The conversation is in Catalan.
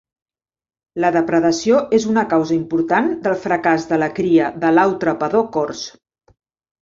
La depredació és una causa important del fracàs de la cria de l'au trepador cors.